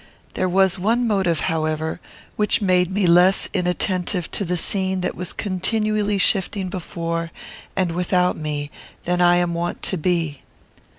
There was one motive, however, which made me less inattentive to the scene that was continually shifting before and without me than I am wont to be.